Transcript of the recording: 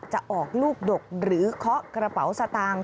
จะออกลูกดกหรือเคาะกระเป๋าสตางค์